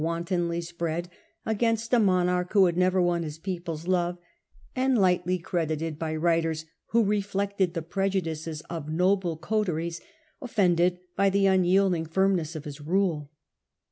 tonly Spread against a monarch who had never won his people's love, and lightly credited by writers who reflected the prejudices of noble coteries offended by the unyielding firmness of his rule.